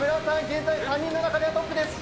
現在３人の中ではトップです。